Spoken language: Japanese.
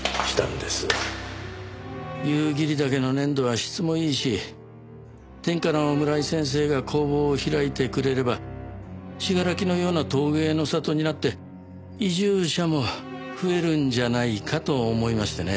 夕霧岳の粘土は質もいいし天下の村井先生が工房を開いてくれれば信楽のような陶芸の里になって移住者も増えるんじゃないかと思いましてね。